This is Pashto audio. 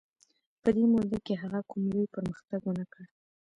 په دې موده کې هغه کوم لوی پرمختګ ونه کړ.